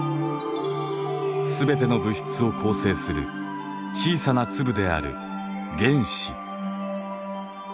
全ての物質を構成する小さな粒である原子。